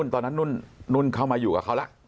ตอนนั้นนุ่นเข้ามาอยู่กับเขาแล้ว